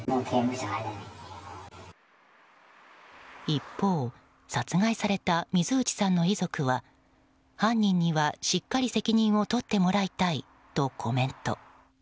一方、殺害された水内さんの遺族は犯人にはしっかり責任を取ってもらいたいとコメント。